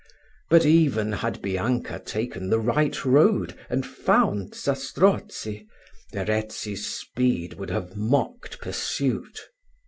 But even had Bianca taken the right road, and found Zastrozzi, Verezzi's speed would have mocked pursuit.